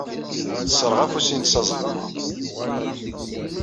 Tesserɣ afus-nnes azelmaḍ.